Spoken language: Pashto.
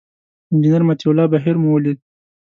انجینر مطیع الله بهیر مو ولید.